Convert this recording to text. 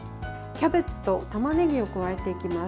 キャベツとたまねぎを加えていきます。